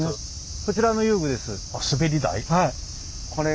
こちらの遊具です。